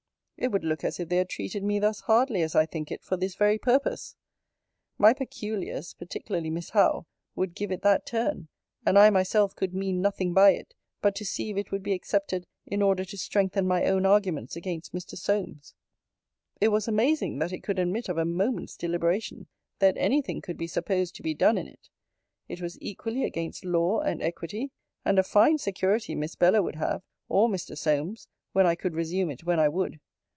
It would look as if they had treated me thus hardly, as I think it, for this very purpose. My peculiars, particularly Miss Howe, would give it that turn; and I myself could mean nothing by it, but to see if it would be accepted in order to strengthen my own arguments against Mr. Solmes. It was amazing, that it could admit of a moment's deliberation: that any thing could be supposed to be done in it. It was equally against law and equity: and a fine security Miss Bella would have, or Mr. Solmes, when I could resume it when I would!